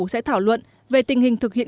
sẽ thảo luận về tình hình thực hiện